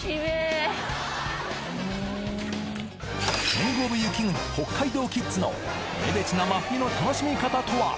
キングオブ雪国北海道キッズのレベチな真冬の楽しみ方とは！？